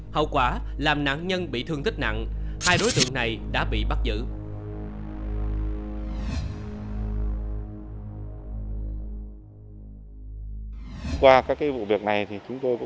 hậu quả làm nạn nhân bị thương tích nặng hai đối tượng này đã bị bắt giữ